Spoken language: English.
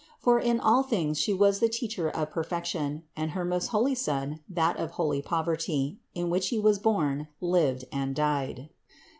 For in all things was She the Teacher of perfection, and her most holy Son, that of holy poverty, in which He was born, lived and died.